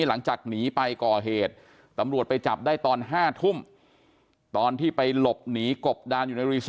หลังจากหนีไปก่อเหตุตำรวจไปจับได้ตอน๕ทุ่มตอนที่ไปหลบหนีกบดานอยู่ในรีสอร์